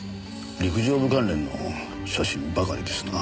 陸上部関連の写真ばかりですなぁ。